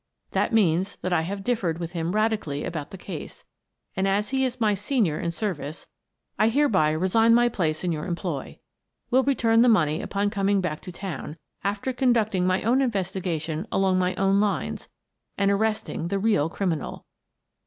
That means that I have differed with him radically about the case, and, as he is my senior in service, I hereby resign my place in 146 Miss Frances Baird, Detective your employ. Will return the money upon coming back to town, after conducting my own investiga tion along my own lines and arresting the real criminal.